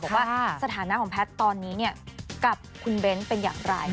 ว่าสถานะของแพทย์ตอนนี้กับคุณเบ้นเป็นอย่างไร